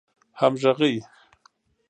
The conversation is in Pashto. همږغۍ